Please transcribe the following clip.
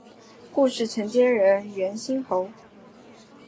故事承接人猿星球。